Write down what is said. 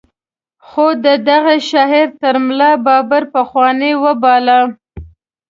خو ده دغه شاعر تر ملا بابړ پخوانۍ وباله.